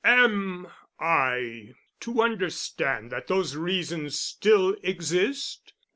"Am I to understand that those reasons still exist?